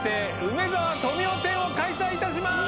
梅沢富美男展を開催いたします！